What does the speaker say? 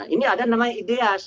ini ada namanya ideas